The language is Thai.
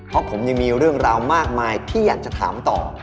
เพราะผมยังมีเรื่องราวมากมายที่อยากจะถามต่อ